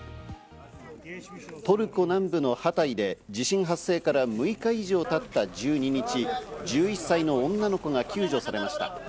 トルコ南部のハタイで、地震発生から６日以上経った１２日、１１歳の女の子が救助されました。